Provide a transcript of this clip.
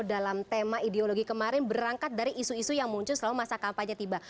dalam tema ideologi kemarin berangkat dari isu isu yang muncul selama masa kampanye tiba